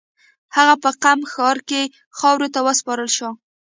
هغه په قم ښار کې خاورو ته وسپارل شو.